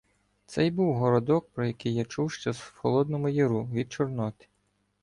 Це й був Городок, про який я чув ще в Холодному Яру від Чорноти.